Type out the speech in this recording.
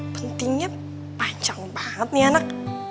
pentingnya panjang banget nih anak